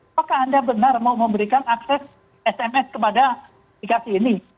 apakah anda benar mau memberikan akses sms kepada aplikasi ini